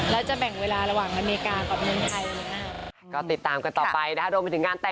แล้วจะแบ่งเวลาระหว่างอเมริกากับเมืองไทยไหม